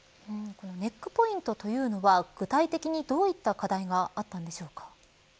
ネックポイントというのは具体的にどういった課題があったんでしょうか。